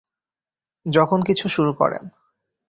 যখন কিছু শুরু করেন।